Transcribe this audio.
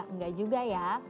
nggak juga ya